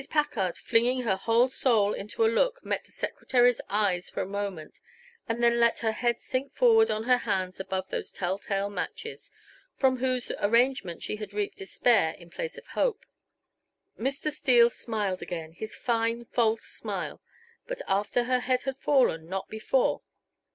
Packard, flinging her whole soul into a look, met the secretary's eyes for a moment and then let her head sink forward on her hands above those telltale matches, from whose arrangement she had reaped despair in place of hope. Mr. Steele smiled again, his fine, false smile, but after her head had fallen; not before.